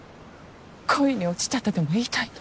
恋に落ちたとでも言いたいの？